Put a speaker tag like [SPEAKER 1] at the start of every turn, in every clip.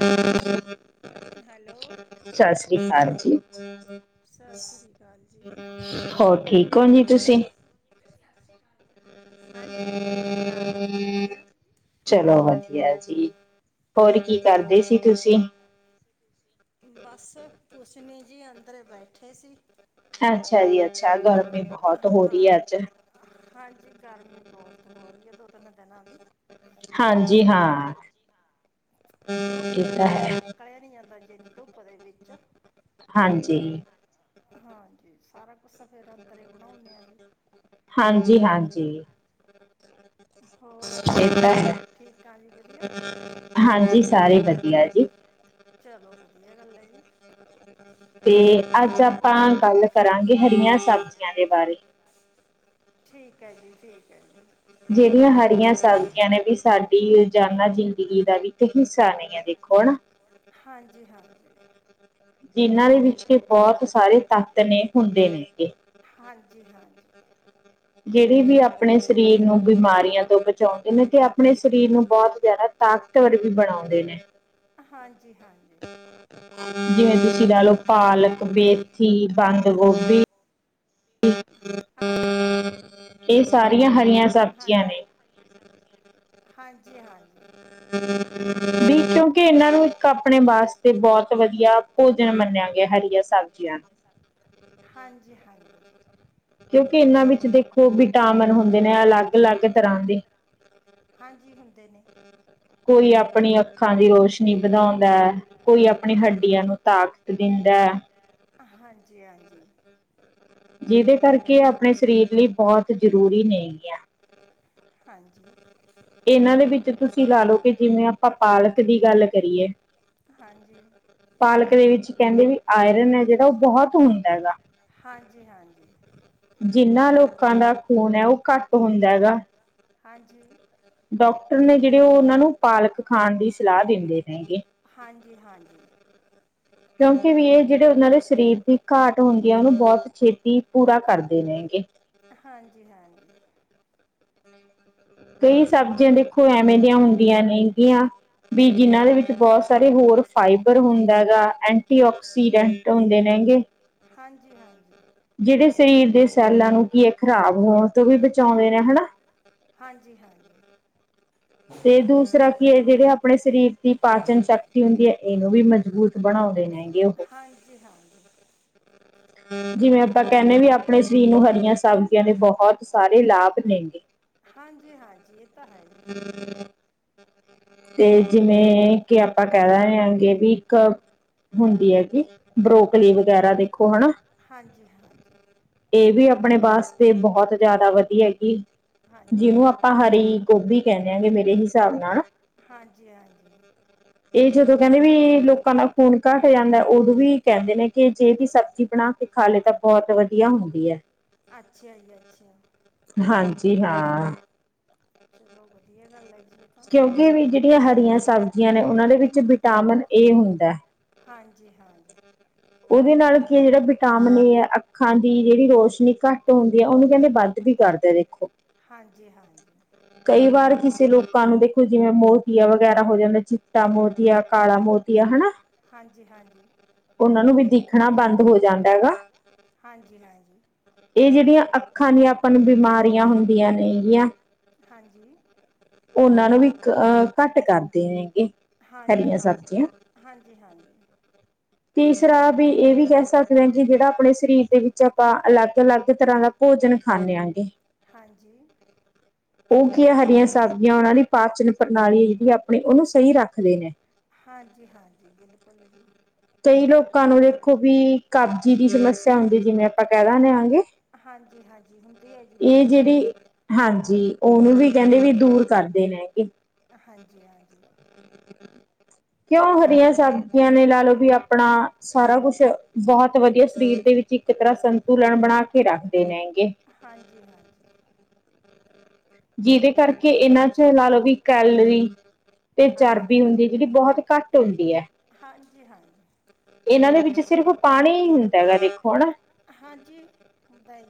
[SPEAKER 1] ਹਮ ਸਤਿ ਸ੍ਰੀ ਅਕਾਲ ਜੀ ਹੋਰ ਠੀਕ ਹੋ ਜੀ ਤੁਸੀਂ
[SPEAKER 2] ਹਾਂਜੀ ਠੀਕ ਠਾਕ ਜੀ ਵਧੀਆ
[SPEAKER 1] ਹੋਰ ਕੀ ਕਰਦੇ ਸੀ ਤੁਸੀਂ
[SPEAKER 2] ਕੁਝ ਨੀ ਜੀ ਅੰਦਰ ਬੈਠੇ ਸੀ
[SPEAKER 1] ਅੱਛਾ ਜੀ ਅੱਛਾ ਗਰਮੀ ਬਹੁਤ ਹੋ ਰਹੀ ਹੈ ਅੱਜ
[SPEAKER 2] ਗਰਮੀ ਬਹੁਤ ਹੋ ਰਹੀ ਹੈ ਦੋ ਤਿੰਨ ਦਿਨਾਂ ਦੀ
[SPEAKER 1] ਹਾਂਜੀ ਹਾਂ
[SPEAKER 2] ਕਿਉਂ ਫੇਰ ਬਾਹਰ ਨਿਕਲਿਆ ਨੀ ਜਾਂਦਾ ਜਿੰਨੀ ਧੁੱਪ ਦੇ ਵਿੱਚ
[SPEAKER 1] ਹਾਂਜੀ
[SPEAKER 2] ਹਾਂਜੀ ਸਾਰਾ ਕੁ ਸ ਫੇਰ ਅੰਦਰਦਰ ਬਣਾਉਣੇ ਆ ਜੀ ਹੋਰ ਆਪਾਂ ਸਾਰੇ ਠੀਕ ਆ ਜੀ ਵਧੀਆ
[SPEAKER 1] ਕੀ ਆ ਜੀ
[SPEAKER 2] ਚਲੋ ਵਧੀਆ ਗੱਲ ਹੈ ਜੀ
[SPEAKER 1] ਤੇ ਅੱਜ ਆਪਾਂ ਗੱਲ ਕਰਾਂਗੇ ਹਰੀਆਂ ਸਬਜ਼ੀਆਂ ਦੇ ਬਾਰੇ
[SPEAKER 2] ਠੀਕ ਹੈ ਜੀ ਠੀਕ ਹੈ ਜੀ
[SPEAKER 1] ਜਿਹੜੀਆਂ ਹਰੀਆਂ ਸਬਜ਼ੀਆਂ ਨੇ ਵੀ ਸਾਡੀ ਰੋਜ਼ਾਨਾ ਜ਼ਿੰਦਗੀ ਦਾ ਵੀ ਇੱਕ ਹਿੱਸਾ ਨਹੀਂ ਹੈ ਦੇਖੋ ਹਨਾ ਜਿਨ੍ਹਾਂ ਦੇ ਵਿਚ ਬਹੁਤ ਸਾਰੇ ਤੱਤ ਨੇ ਹੁੰਦੇ ਨੇਗੇ
[SPEAKER 2] ਜੀ ਹਾਂਜੀ
[SPEAKER 1] ਜਿਹੜੇ ਵੀ ਆਪਣੇ ਸਰੀਰ ਨੂੰ ਬਿਮਾਰੀਆਂ ਤੋਂ ਬਚਾਉਂਦੇ ਨੇ ਤੇ ਆਪਣੇ ਸਰੀਰ ਨੂੰ ਬਹੁਤ ਜ਼ਿਆਦਾ ਤਾਕਤਵਰ ਵੀ ਬਣਾਉਂਦੇ ਨੇ
[SPEAKER 2] ਹਾਂਜੀ ਹਾਂ
[SPEAKER 1] ਜੀ ਹਾਂਜੀ ਨਾਲਓ ਪਾਲਕ ਮੇਥੀ ਬੰਦ ਗੋਭੀ ਇਹ ਸਾਰੀਆਂ ਹਰੀਆਂ ਸਬਜ਼ੀਆਂ ਨੇ
[SPEAKER 2] ਹਾਂਜੀ ਹਾਂਜੀ
[SPEAKER 1] ਨਹੀਂ ਕਿਉਂਕਿ ਇਹਨਾਂ ਨੂੰ ਇੱਕ ਆਪਣੇ ਵਾਸਤੇ ਤੇ ਬਹੁਤ ਵਧੀਆ ਭੋਜਨ ਮੰਨਿਆ ਗਿਆ ਹੈ। ਹਰੀਆ ਸਬਜ਼ੀਆਂ ਨੂੰ। ਕਿਉਂਕਿ ਇਹਨਾਂ ਵਿੱਚ ਦੇਖੋ ਵਿਟਾਮਿਨ ਹੁੰਦੇ ਨੇ ਅਲੱਗ ਅਲੱਗ ਤਰ੍ਹਾਂ ਦੇ।
[SPEAKER 2] ਹਾਂਜੀ ਹੁੰਦੇ ਨੇ।
[SPEAKER 1] ਕੋਈ ਆਪਣੀ ਅੱਖਾਂ ਦੀ ਰੋਸ਼ਨੀ ਵਧਾਉਂਦਾ ਹੈ, ਕੋਈ ਆਪਣੀ ਹੱਡੀਆਂ ਨੂੰ ਤਾਕਤ ਦਿੰਦਾ ਹੈ। ਹਾਂ। [inaudible]
[SPEAKER 2] ਜੀ ਹਾਂਜੀ।
[SPEAKER 1] ਜਿਹਦੇ ਕਰਕੇ ਆਪਣੇ ਸਰੀਰ ਲਈ ਬਹੁਤ ਜ਼ਰੂਰੀ ਨੇਗੀਆਂ।
[SPEAKER 2] ਹਾਂਜੀ।
[SPEAKER 1] ਇਹਨਾਂ ਦੇ ਵਿੱਚ ਤੁਸੀਂ ਲਾ ਲਓ ਕਿ ਜਿਵੇਂ ਆਪਾਂ ਪਾਲਕ ਦੀ ਗੱਲ ਕਰੀਏ। ਪਾਲਕ ਦੇ ਵਿੱਚ ਕਹਿੰਦੇ ਵੀ ਆਇਰਨ ਹੈ। ਜਿਹੜਾ ਉਹ ਬਹੁਤ ਹੁੰਦਾ ਹੈ ਗਾ।
[SPEAKER 2] ਹਾਂਜੀ ਹਾਂਜੀ।
[SPEAKER 1] ਜਿੰਨਾ ਲੋਕਾਂ ਦਾ ਖੂਨ ਹੈ। ਉਹ ਘੱਟ ਹੁੰਦਾ ਹੈ ਗਾ।
[SPEAKER 2] ਹਾਂਜੀ।
[SPEAKER 1] ਡਾਕਟਰ ਨੇ ਜਿਹੜੇ ਉਹ ਉਹਨਾਂ ਨੂੰ ਪਾਲਕ ਖਾਣ ਦੀ ਸਲਾਹ ਦਿੰਦੇ ਨੇ ਗੇ।
[SPEAKER 2] ਹਾਂਜੀ। [inaudible]
[SPEAKER 1] ਕਿਉਂਕਿ ਵੀ ਇਹ ਜਿਹੜੇ ਉਹਨਾਂ ਦੇ ਸਰੀਰ ਦੀ ਘਾਟ ਹੁੰਦੀ ਹੈ। ਉਹਨੂੰ ਬਹੁਤ ਛੇਤੀ ਪੂਰਾ ਕਰਦੇ ਨੇ ਗੇ।
[SPEAKER 2] ਹਾਂਜੀ ਹਾਂਜੀ।
[SPEAKER 1] ਕਈ ਸਬਜ਼ੀਆਂ ਦੇਖੋ ਐਵੇਂ ਦੀਆਂ ਹੁੰਦੀਆਂ ਨੇਗੀਆਂ? ਵੀ ਜਿਨਾਂ ਦੇ ਵਿੱਚ ਬਹੁਤ ਸਾਰੇ ਹੋਰ ਫਾਈਬਰ ਹੁੰਦਾ ਹੈਗਾ ਐਂਟੀ ਆਕਸੀਡੈਂਟ ਹੁੰਦੇ ਨੇ। ਨੇ ਗੇ।
[SPEAKER 2] ਹਾਂਜੀ ਹਾਂਜੀ।
[SPEAKER 1] ਜਿਹੜੇ ਸਰੀਰ ਦੇ ਸੈੱਲਾਂ ਨੂੰ ਕੀ ਇਹ ਖ਼ਰਾਬ ਹੋਣ ਤੋਂ ਵੀ ਬਚਾਉਂਦੇ ਨੇ ਹਨਾ।
[SPEAKER 2] ਹਾਂਜੀ ਹਾਂਜੀ।
[SPEAKER 1] ਤੇ ਦੂਸਰਾ ਕੀ ਇਹ ਜਿਹੜੇ ਆਪਣੇ ਸਰੀਰ ਦੀ ਪਾਚਨ ਸ਼ਕਤੀ ਹੁੰਦੀ ਹੈ। ਇਹਨੂੰ ਵੀ ਮਜ਼ਬੂਤ। ਸਬੂਤ ਬਣਾਉਂਦੇ ਨੇ।
[SPEAKER 2] ਹਾਂਜੀ ਹਾਂਜੀ।
[SPEAKER 1] ਜਿਵੇਂ ਆਪਾਂ। ਆਪ ਕਹਿੰਦੇ ਵੀ ਆਪਣੇ ਸਰੀਰ ਨੂੰ ਹਰੀਆਂ ਸਬਜ਼ੀਆਂ ਦੇ ਬਹੁਤ ਸਾਰੇ ਲਾਭ ਨੇ ਗੇ।
[SPEAKER 2] ਹਾਂਜੀ ਹਾਂਜੀ ਇਹ ਤਾਂ।
[SPEAKER 1] ਤੇ ਜਿਵੇਂ। ਕਿ ਆਪਾਂ ਕਹਿ ਦਿੰਨੇ ਆ ਗੇ ਵੀ ਇੱਕ। ਹੁੰਦੀ ਹੈਗੀ ਬਰੋਕਲੀ ਵਗੈਰਾ ਦੇਖੋ ਹਨਾ। ਇਹ ਵੀ ਆਪਣੇ ਵਾਸਤੇ ਬਹੁਤ ਜ਼ਿਆਦਾ ਵਧੀਆਗੀ। ਜਿਹਨੂੰ ਆਪਾਂ ਹਰੀ। ਵੀ ਕਹਿੰਦੇ ਆਗੇ ਮੇਰੇ ਹਿਸਾਬ ਨਾਲ। ਇਹ ਜਦੋਂ ਕਹਿੰਦੇ ਵੀ ਲੋਕਾਂ ਦਾ ਖੂਨ ਘੱਟ ਜਾਂਦਾ। ਉਦੋਂ ਵੀ ਕਹਿੰਦੇ ਨੇ ਕਿ ਜੇ ਇਹਦੀ ਸਬਜ਼ੀ ਬਣਾ। ਤੇ ਖਾਲੇ ਤਾਂ ਬਹੁਤ ਵਧੀਆ ਹੁੰਦੀ ਹੈ।
[SPEAKER 2] ਅੱਛਾ ਜੀ ਅੱਛਾ।
[SPEAKER 1] ਹਾਂਜੀ ਹਾਂ।
[SPEAKER 2] ਚਲੋ, ਵਧੀਆ ਗੱਲ ਹੈ।
[SPEAKER 1] ਕਿਉਂਕਿ ਵੀ ਜਿਹੜੀਆਂ ਹਰੀਆਂ ਸਬਜ਼ੀਆਂ ਨੇ, ਉਹਨਾਂ ਦੇ ਵਿੱਚ ਵਿਟਾਮਿਨ 'ਏ' ਹੁੰਦਾ ਹੈ।
[SPEAKER 2] ਹਾਂਜੀ ਹਾਂਜੀ।
[SPEAKER 1] ਉਹਦੇ ਨਾਲ ਕੀ ਹੈ। ਜਿਹੜਾ ਵਿਟਾਮਿਨ 'ਏ' ਹੈ। ਅੱਖਾਂ ਦੀ ਜਿਹੜੀ ਰੋਸ਼ਨੀ ਘੱਟ ਹੁੰਦੀ ਹੈ। ਉਹਨੂੰ ਕਹਿੰਦੇ ਵੱਧ। ਵੀ ਕਰਦਾ ਦੇਖੋ?
[SPEAKER 2] ਜੀ ਹਾਂਜੀ।
[SPEAKER 1] ਕਈ ਵਾਰ ਕਿਸੇ ਲੋਕਾਂ ਨੂੰ ਦੇਖੋ। ਜਿਵੇਂ ਮੋਤੀਆ ਵਗੈਰਾ ਹੋ ਜਾਂਦਾ ਹੈ। ਚਿੱਟਾ ਮੋਤੀਆ, ਕਾਲਾ ਮੋਤੀਆ। ਮੋਤੀਆ ਹਨਾ।
[SPEAKER 2] ਹਾਂਜੀ ਹਾਂਜੀ।
[SPEAKER 1] ਉਹਨਾਂ ਨੂੰ ਵੀ ਦੇਖਣਾ ਬੰਦ ਹੋ ਜਾਂਦਾ ਗਾ। ਇਹ ਜਿਹੜੀਆਂ ਅੱਖਾਂ ਦੀਆਂ ਆਪਾਂ ਨੂੰ ਬਿਮਾਰੀਆਂ ਹੁੰਦੀਆਂ ਨੇ ਗੀਆਂ।
[SPEAKER 2] ਹਾਂਜੀ
[SPEAKER 1] ਉਹਨਾਂ ਨੂੰ ਵੀ ਅਹ ਘੱਟ ਕਰਦੇ ਹੈਗੇ ਹਰੀਆਂ ਸਬਜ਼ੀਆਂ
[SPEAKER 2] [inaudible]
[SPEAKER 1] ਤੀਸਰਾ ਵੀ ਇਹ ਵੀ ਕਹਿ ਸਕਦੇ ਹਾਂ ਕਿ ਜਿਹੜਾ ਆਪਣੇ ਸਰੀਰ ਦੇ ਵਿੱਚ ਆਪਾਂ ਅਲੱਗ ਅਲੱਗ ਤਰ੍ਹਾਂ ਦਾ ਭੋਜਨ ਖਾਂਦੇ ਆਗੇ
[SPEAKER 2] ਹਾਂਜੀ
[SPEAKER 1] ਉਹ ਕੀ ਹੈ ਹਰੀਆਂ ਸਬਜ਼ੀਆਂ ਉਹਨਾਂ ਦੀ ਪਾਚਨ ਪ੍ਰਣਾਲੀ ਹੈ ਜਿਹੜੀ ਆਪਣੀ ਉਹਨੂੰ ਸਹੀ ਰੱਖਦੇ ਨੇ
[SPEAKER 2] ਹਾਂਜੀ ਹਾਂਜੀ ਬਿਲਕੁਲ
[SPEAKER 1] ਕਈ ਲੋਕਾਂ ਨੂੰ ਦੇਖੋ ਵੀ ਕਬਜ਼ੀ ਦੀ ਸਮੱਸਿਆ ਹੁੰਦੀ ਜਿਵੇਂ ਆਪਾਂ ਕਹਿ ਦਦੇ ਆਗੇ
[SPEAKER 2] ਹਾਂਜੀ -ਹਾਂਜੀ।
[SPEAKER 1] ਇਹ ਜਿਹੜੀ, ਹਾਂਜੀ। ਉਹਨੂੰ ਵੀ ਕਹਿੰਦੇ ਵੀ, ਦੂਰ ਕਰਦੇ ਨੇ ਹੈਗੇ [inaudible] ਕਿਉਂ ਹਰੀਆਂ ਸਬਜ਼ੀਆਂ ਨੇ ਲਾ ਲਓ ਵੀ, ਆਪਣਾ ਸਾਰਾ ਕੁਛ ਬਹੁਤ ਵਧੀਆ ਸਰੀਰ ਦੇ ਵਿੱਚ, ਇੱਕ ਤਰ੍ਹਾਂ ਸੰਤੁਲਨ ਬਣਾ ਕੇ ਰੱਖਦੇ ਨੇ, ਗੇ
[SPEAKER 2] ਹਾਂਜੀ।
[SPEAKER 1] ਹਮ। ਜਿਹਦੇ ਕਰਕੇ, ਇਹਨਾਂ ਚ ਲਾ ਲਓ ਵੀ ਕੈਲਰੀ ਤੇ ਚਰਬੀ ਹੁੰਦੀ, ਜਿਹੜੀ ਬਹੁਤ ਘੱਟ ਹੁੰਦੀ ਹੈ। ਇਹਨਾਂ ਦੇ ਵਿੱਚ ਸਿਰਫ਼ ਪਾਣੀ ਹੀ ਹੁੰਦਾ ਹੈ ਗਾ ਦੇਖੋ ਹਨਾ
[SPEAKER 2] ਾਂਜੀ ਹੁੰਦਾ ਏ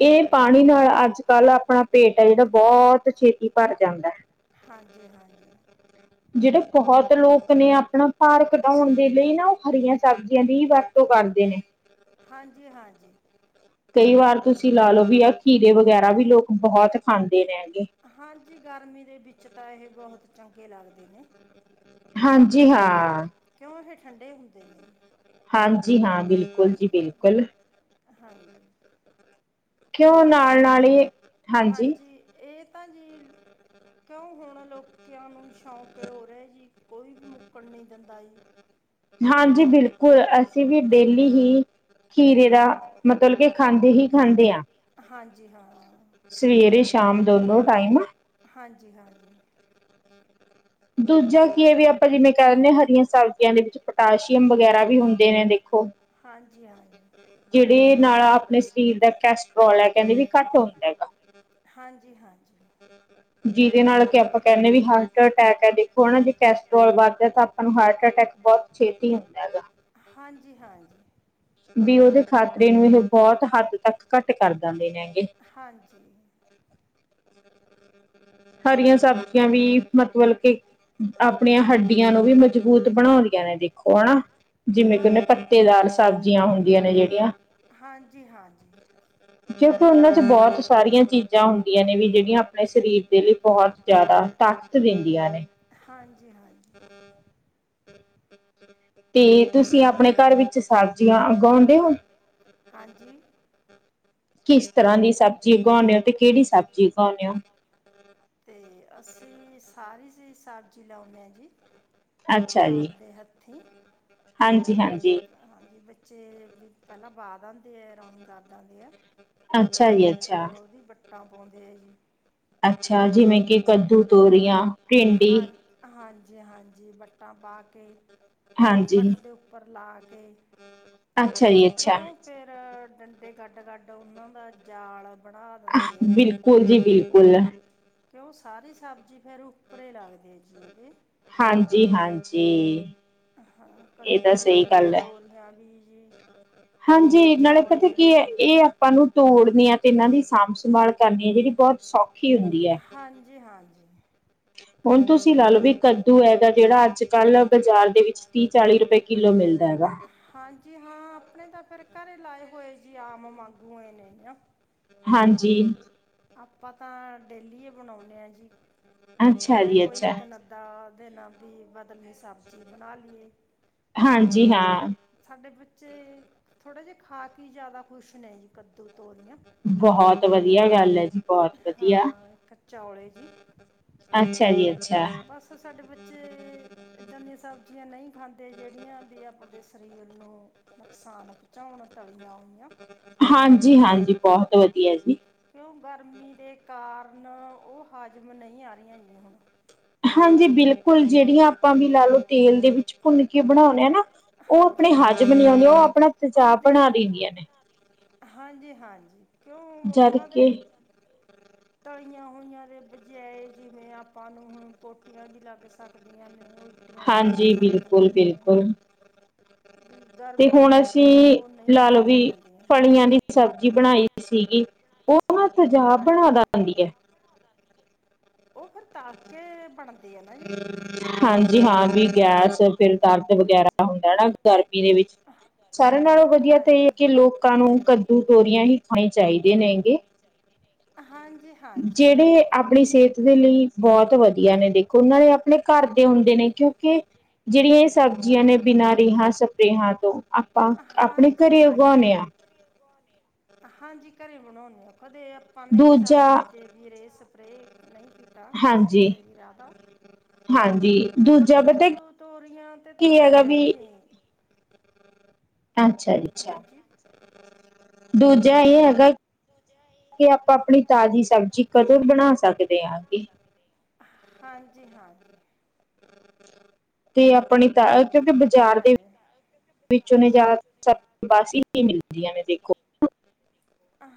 [SPEAKER 1] ਇਹ ਪਾਣੀ ਨਾਲ, ਅੱਜ -ਕੱਲ੍ਹ ਆਪਣਾ ਪੇਟ ਹੈ ਜਿਹੜਾ ਬਹੁਤ ਬਹੁਤ ਛੇਤੀ ਭਰ ਜਾਂਦਾ ਹੈ। ਜਿਹੜੇ ਬਹੁਤ ਲੋਕ ਨੇ, ਆਪਣਾ ਭਾਰ ਘਟਾਉਣ ਦੇ ਲਈ ਨਾ, ਉਹ ਹਰੀਆਂ ਸਬਜ਼ੀਆਂ ਦੀ ਵਰਤੋਂ ਕਰਦੇ ਨੇ
[SPEAKER 2] ਹਾਂਜੀ ਹਾਂ।
[SPEAKER 1] ਕਈ ਵਾਰ ਤੁਸੀਂ ਲਾ ਲਓ ਵੀ, ਆ ਖੀਰੇ ਵਗੈਰਾ ਵੀ ਲੋਕ ਬਹੁਤ ਖਾਂਦੇ
[SPEAKER 2] ਹਾਂਜੀ, ਗਰਮੀ ਦੇ ਵਿੱਚ ਤਾਂ ਇਹ ਬਹੁਤ ਚੰਗੇ ਲੱਗਦੇ ਨੇ।
[SPEAKER 1] ਹਾਂਜੀ ਹਾਂ।
[SPEAKER 2] ਠੰਡੇ ਹੁੰਦੇ ਨੇ।
[SPEAKER 1] ਹਾਂਜੀ ਹਾਂ, ਬਿਲਕੁਲ ਜੀ ਬਿਲਕੁਲ।
[SPEAKER 2] ਹਾਂਜੀ।
[SPEAKER 1] ਕਿਉਂ ਨਾਲ- ਨਾਲ, ਹੀ ਹਾਂਜੀ। [unintelligible]
[SPEAKER 2] ਕਿਉਂ ਹੁਣ ਲੋਕਾਂ ਨੂੰ ਸ਼ੌਂਕ ਹੋ ਰਿਹਾ ਜੀ, ਕੋਈ ਵੀ ਮੁੱਕਣ ਨਹੀਂ ਦਿੰਦਾ ਜੀ।
[SPEAKER 1] ਹਾਂਜੀ, ਬਿਲਕੁਲ ਅਸੀਂ ਵੀ ਡੇਲੀ ਹੀ ਖੀਰੇ ਦਾ ਮਤਲਬ, ਕੇ ਖਾਂਦੇ ਹੀ ਖਾਂਦੇ ਆ।
[SPEAKER 2] ਹਾਂਜੀ ਹਾਂ।
[SPEAKER 1] ਸਵੇਰੇ ਸ਼ਾਮ ਦੋਨੋ ਟਾਈਮ
[SPEAKER 2] ਹਾਂਜੀ।
[SPEAKER 1] ਦੂਜਾ ਕੀ ਹੈ ਵੀ ਆਪਾਂ ਜਿਵੇਂ ਕਹਿ ਦਿੰਦੇ, ਹਰੀਆਂ ਸਬਜ਼ੀਆਂ ਦੇ ਵਿੱਚ ਪੋਟਾਸ਼ੀਅਮ ਵਗੈਰਾ ਵੀ ਹੁੰਦੇ ਨੇ ਦੇਖੋ। ਜਿਹੜੇ ਨਾਲ, ਆਪਣੇ ਸਰੀਰ ਦਾ ਕਲਸਟਰ੍ਰੋਲ ਹੈ ਕਹਿੰਦੇ ਵੀ ਘੱਟ ਹੁੰਦਾ ਹੈਗਾ।
[SPEAKER 2] ਹਾਂਜੀ।
[SPEAKER 1] ਜਿਹਦੇ ਨਾਲ ਕਿ ਆਪਾਂ ਕਹਿੰਦੇ ਵੀ, ਹਾਰਟ ਅਟੈਕ ਹੈ ਦੇਖੋ ਹਨਾ ਜੇ ਕੈਸਟਰੋਲ ਵੱਧਦਾ ਤਾਂ, ਆਪਾਂ ਨੂੰ ਹਾਰਟ ਅਟੈਕ ਬਹੁਤ ਛੇਤੀ ਹੁੰਦਾ ਹੈ ਗਾ ਵੀ ਉਹਦੇ ਖ਼ਾਤਰੇ ਨੂੰ, ਇਹ ਬਹੁਤ ਹੱਦ ਤੱਕ ਘੱਟ ਕਰ ਦਿੰਦੇ ਨੇ ਗੇ। ਹ [unintelligible] ਹਰੀਆਂ ਸਬਜ਼ੀਆਂ ਵੀ ਮਤਲਬ ਕਿ ਆਪਣੀਆਂ ਹੱਡੀਆਂ ਨੂੰ ਵੀ, ਮਜ਼ਬੂਤ ਬਣਾਉਂਦੀਆਂ ਨੇ ਦੇਖੋ ਹਨਾ। ਜਿਵੇਂ ਕਿ ਉਹਨੇ, ਪੱਤੇਦਾਰ ਸਬਜ਼ੀਆਂ ਹੁੰਦੀਆਂ ਨੇ ਜਿਹੜੀਆਂ
[SPEAKER 2] ਹਾਂਜੀ ਹਾਂ।
[SPEAKER 1] ਕਿਉਂਕਿ, ਉਹਨਾਂ ਚ ਬਹੁਤ ਸਾਰੀਆਂ ਚੀਜ਼ਾਂ ਹੁੰਦੀਆਂ ਨੇ, ਵੀ ਜਿਹੜੀਆਂ ਆਪਣੇ ਸਰੀਰ ਬਹੁਤ ਜ਼ਿਆਦਾ ਤਾਕਤ ਦਿੰਦੀਆਂ ਨੇ। ਹਮ। ਤੇ ਤੁਸੀਂ, ਆਪਣੇ ਘਰ ਵਿੱਚ ਸਬਜ਼ੀਆਂ ਉਗਾਉਂਦੇ ਹੋ? ਕਿਸ ਤਰ੍ਹਾਂ ਦੀ ਸਬਜ਼ੀ ਉਗਾਉਂਦੇ ਹੋ? ਤੇ ਕਿਹੜੀ ਸਬਜ਼ੀ ਉਗਾਉਂਦੇ ਹੋ?
[SPEAKER 2] ਤੇ ਅਸੀਂ ਸਾਰੀ ਸਬਜ਼ੀ ਲਾਉਂਦੇ ਹਾ, ਜੀ
[SPEAKER 1] ਅੱਛਾ ਜੀ,
[SPEAKER 2] ਮੱਥੀ,
[SPEAKER 1] ਹਾਂਜੀ-ਹਾਂਜੀ,
[SPEAKER 2] ਬੱਚੇ ਵੀ ਪਹਿਲਾਂ ਦਿੰਦੇ ਆ ਰੌਣੀ ਕਰ ਆਦੀ ਆਂ
[SPEAKER 1] ਅੱਛਾ ਜੀ ਅੱਛਾ,
[SPEAKER 2] ਪਾਦੇ ਆ ਜੀ,
[SPEAKER 1] ਅੱਛਾ ਜਿਵੇਂ ਕਿ ਕੱਦੂ, ਤੋਰੀਆਂ, ਭਿੰਡੀ
[SPEAKER 2] ਜੇ ਹਾਂਜੀ ਵੱਟਾਂ ਪਾ ਕੇ ਵੱਟ ਦੇ ਉੱਪਰ ਲਾ ਕੇ,
[SPEAKER 1] ਅੱਛਾ ਜੀ ਅੱਛਾ,
[SPEAKER 2] ਡੰਡੇ ਗਡ-ਗਡ ਉਹਨਾਂ ਦਾ ਜਾਲ,
[SPEAKER 1] ਬਿਲਕੁਲ ਜੀ ਬਿਲਕੁਲ,
[SPEAKER 2] ਕਿਉਂ ਸਾਰੀ ਸਬਜ਼ੀ ਫੇਰ ਉੱਪਰੇ ਲੱਗਦੇ ਜੀ ਉਹਦੇ,
[SPEAKER 1] ਹਾਂਜੀ-ਹਾਂਜੀ,
[SPEAKER 2] ਹਾਂ ਕੱਦੂ ਵੀ ਤੋਰੀਆਂ ਵੀ ਜੀ,
[SPEAKER 1] ਹਾਂਜੀ ਨਾਲੇ ਪਤਾ ਕੀ ਹੈ ਇਹ ਆਪਾਂ ਨੂੰ ਤੋੜਨੀ ਆ ਤੇ ਇਹਨਾਂ ਦੀ ਸਾਂਭ ਸੰਭਾਲ ਕਰਨੀ ਆ ਜਿਹੜੀ, ਬਹੁਤ ਸੌਖੀ ਹੁੰਦੀ ਹੈ। ਹੁਣ ਤੁੂੰ, ਤੁਸੀਂ ਲਾਲੋ ਵੀ ਕੱਦੂ ਹੈਗਾ ਜਿਹੜਾ ਅੱਜ ਕੱਲ੍ਹ ਬਾਜ਼ਾਰ ਦੇ ਵਿੱਚ ਤੀਹ ਚਾਲੀ ਰੁਪਏ ਕਿੱਲੋ ਮਿਲਦਾ ਐ ਗਾ।
[SPEAKER 2] ਜੀ ਹਾਂ ਆਪਣੇ ਤਾਂ ਫਿਰ ਘਰੇ ਲਾਏ ਹੋਏ ਜੀ ਆਮ ਮਾਗੂ ਏ ਨੇ,
[SPEAKER 1] ਹਾਂਜੀ,
[SPEAKER 2] ਆਪਾਂ ਤਾਂ ਡੇਲੀ ਬਣਾਦੇ ਆ ਜੀ ਕੀ ਕਹਿਦੇ ਕੋਈ ਇੱਕ ਨੱਦਾ, ਦੇ ਨਾਲ ਵੀ ਬਦਲਣੀ ਸਬਜ਼ੀ ਬਣਾ ਲਈਏ।
[SPEAKER 1] ਹਾਂਜੀ ਹਾਂ,
[SPEAKER 2] ਤੇ ਥੋੜਾ ਜਿਹਾ ਖਾ ਕੇ ਜਿਆਦਾ ਖੁਸ਼ ਨੇ ਜੀ ਕੱਦੂ ਤੋਰੀਆਂ,
[SPEAKER 1] ਬਹੁਤ ਵਧੀਆ ਗੱਲ ਹੈ ਜੀ ਬਹੁਤ ਵਧੀਆ,
[SPEAKER 2] ਚੌਲੇ ਜੀ ਬਸ ਸਾਡੇ ਬੱਚੇ ਏਦਾਂ ਦੀਆਂ, ਸਬਜ਼ੀਆਂ ਨਹੀਂ ਖਾਂਦੇ ਜਿਹੜੀਆਂ ਵੀ ਆਪਦੇ ਸਰੀਰ ਨੂੰ ਨੁਕਸਾਨ ਪਹੁੰਚਾਣ ਤਲੀਆਂ ਹੋਈਆਂ।
[SPEAKER 1] ਹਾਂਜੀ-ਹਾਂਜੀ ਬਹੁਤ ਵਧੀਆ ਜੀ,
[SPEAKER 2] ਗਰਮੀ ਦੇ ਕਾਰਨ ਉਹ ਹਾਜ਼ਮ ਨਹੀਂ ਆ ਰਹੀਆਂ ਜੀ ਹੁਣ,
[SPEAKER 1] ਹਾਂਜੀ ਬਿਲਕੁਲ ਜਿਹੜੀਆਂ ਆਪਾਂ ਵੀ ਲਾ ਲਓ ਤੇਲ ਦੇ ਵਿੱਚ ਭੁੰਨ ਕੇ ਬਣਾਉਣੇ ਆ ਨਾ, ਉਹ ਆਪਣੇ ਹਾਜ਼ਮ ਨੀ ਆਦੀਆਂ ਉਹ ਆਪਣਾ ਪੰਜਾਬ ਬਣਾ ਦਿੰਦੀਆਂ ਨੇ,
[SPEAKER 2] ਹਾਂਜੀ-ਹਾਂਜੀ,
[SPEAKER 1] ਜਦਕਿ
[SPEAKER 2] ਤਲੀਆਂ ਹੋਈਆਂ ਦੇ ਬਜਾਏ ਜਿਵੇਂ ਆਪਾਂ ਨੂੰ ਹੁਣ ਪੋਟੀਆਂ ਵੀ ਲੱਗ ਸਕਦੀਆਂ ਨੇ ਉਲ
[SPEAKER 1] ਹਾਂਜੀ ਬਿਲਕੁਲ-ਬਿਲਕੁਲ, ਤੇ ਹੁਣ ਅਸੀਂ ਲਾ ਲਓ ਵੀ ਫਲੀਆਂ ਦੀ ਸਬਜ਼ੀ ਬਣਾਈ ਸੀਗੀ। ਉਹ ਤਜਾਬ ਬਣਾ ਦਿੰਦੀ ਐ,
[SPEAKER 2] ਉਹ ਫਿਰ ਤਾਕੇ ਬਣਦਾ,
[SPEAKER 1] ਹਾਂਜੀ ਹਾਂ ਵੀ ਗੈਸ ਫਿਰ ਦਰਦ ਵਗੈਰਾ ਹੁੰਦਾ ਹਨਾ ਗਰ ਪੀ ਦੇ ਵਿੱਚ, ਸਾਰਿਆਂ ਨਾਲੋਂ ਵਧੀਆ ਤਾਂ ਇਹ ਹੈ ਕਿ ਲੋਕਾਂ ਨੂੰ ਕੱਦੂ ਤੋਰੀਆਂ ਹੀ ਖਾਣੇ ਚਾਹੀਦੇ ਨੇਗੇ। ਜਿਹੜੇ ਆਪਣੀ ਸਿਹਤ ਦੇ ਲਈ ਬਹੁਤ ਵਧੀਆ ਨੇ ਦੇਖ। ਖੋਨਾਏ ਆਪਣੇ ਘਰ ਦੇ ਹੁੰਦੇ ਨੇ ਕਿਉਂਕਿ ਜੇੜੀ ਇਹ ਸਬਜ਼ੀਆਂ ਨੇ ਬਿਨਾਂ ਰੇਹਾਂ ਸਪਰੇਹਾਂ ਤੋਂ ਆਪਾਂ ਆਪਣੇ ਘਰੇ ਉਗਾਨੇ ਆ।
[SPEAKER 2] ਆ ਹਾਂਜੀ, ਘਰੇ ਬਣਾਦੇ ਆ ਕਦੇ ਅਪਾਨੇ ਵੀ ਸਬਜ਼ੀ ਤੇ ਵੀ ਰੇਹ ਸਪ ਕ ਨਈ ਕੀਤਾ ਕਸ ਕਿਸੇ ਵੀ ਖਾਦਾ ਹਾਂਜੀ। ਕੱਦੂ, ਤੋਰੀਆਂ ਤੇ ਤਾਂ ਅਜਰ ਵੀ ਨੇ।
[SPEAKER 1] ਅੱਛਾ ਜੀ ਅੱਛਾ। ਦੂਜਾ ਇਹ ਹੈਗਾ ਕੇ ਆਪਾਂ ਅਪਣੀ ਤਾਜ਼ੀ ਸਬਜ਼ੀ ਕਦੋਂ ਬਣਾ ਸਕਦੇ ਆ ਜੀ?
[SPEAKER 2] ਹਾਂਜੀ।
[SPEAKER 1] ਤੇ ਆਪਣੀ ਤਾ ਅ ਕੇ ਬੀ ਬਜ਼ਾਰ ਦੀ ਵਿੱਚ ਨੀ ਜਾ ਕੇ ਜ਼ਿਆਦਾਤਰ ਬਸ ਈ ਮਿਲਦੀਆਂ ਨੇ ਦੇਖੋ। [unintelligible]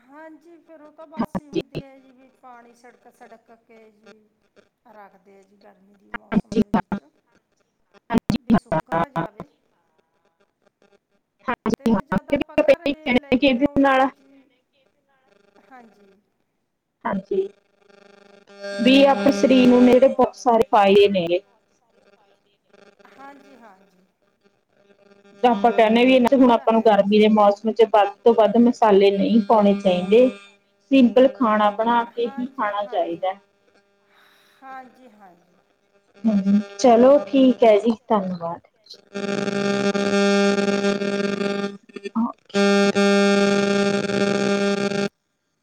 [SPEAKER 2] ਹਾਂਜੀ। ਫੇਰ ਉਹ ਤਾਂ ਬਾਸੀ ਹੁੰਦੀ ਏ ਜੀ ਵੀ ਪਾਣੀ ਸੜਕ ਸੜਕ ਕੇ ਵੀ। ਰਾਖਦੇ ਜ। ਜੀ। ਗਰਮੀ ਦੀ ਮੌਸਮ ਦੇ ਵਿੱਚ ਵੀ ਸੁੱਕਰਾ ਜਾਵੇ। ਤੇ ਜਿਆਦਾ ਆਪਾਂ ਘਰੇ ਲੈ ਕੇ ਆਉਂਣੇ ਆ ਜ। ਹਾਂਜੀ।
[SPEAKER 1] ਹਾਂਜੀ। ਵੀ ਆਪਣੇ ਸਰੀਰ ਨੂੰ ਨੇੜੇ ਬਹੁਤ ਸਾਰੇ ਫਾਇਦੇ ਨੇ।
[SPEAKER 2] ਹਾਂਜੀ- ਹਾਂਜੀ।
[SPEAKER 1] ਚਪ [unintelligible] ਕਹਨੇ ਵੀ ਆ ਇਨ੍ਹਾਂ ਨੂੰ ਆਪਾਂ ਨੂੰ ਗਰਮੀ ਦੇ ਮੌਸਮ ਚ ਵੱਧ ਤੋਂ ਵੱਧ ਮਸਾਲੇ ਨਈ ਪਾਣੇ ਚਾਈਦੇ। ਸਿੰਪਲ ਖਾਣਾ ਬਣਾ ਕੇ ਹੀ ਖਾਣਾ ਚਾਹੀਦਾ ਹੈ।
[SPEAKER 2] ਹਾਂਜੀ- ਹਾਂਜੀ।
[SPEAKER 1] ਹਾਂਜੀ। ਚਲੋ ਠੀਕ। ਠੀਕ ਜੀ ਧੰਨਵਾਦ। ਅ। [inaudible]